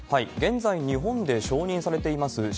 現在、日本で承認されています